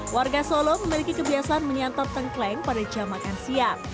warga solo memiliki kebiasaan menyantap tengkleng pada jam makan siang